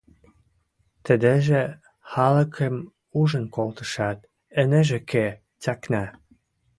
Тӹдӹжӹ халыкым ужын колтышат, ӹнежӹ ке, цӓкнӓ.